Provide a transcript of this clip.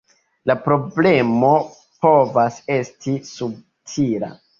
La problemo povas esti subtila.